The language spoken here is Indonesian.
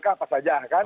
ktpk apa saja kan